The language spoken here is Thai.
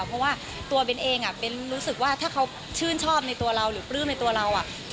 เพราะว่าตัวเบ้นเองเบ้นรู้สึกว่าถ้าเขาชื่นชอบในตัวเราหรือปลื้มในตัวเรา